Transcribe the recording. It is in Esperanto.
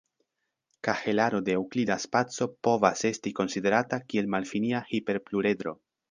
Kahelaro de eŭklida spaco povas esti konsiderata kiel malfinia hiperpluredro.